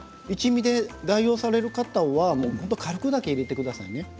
一味で代用される方は軽く入れてくださいね。